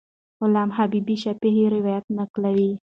علامه حبیبي شفاهي روایت نقلوي.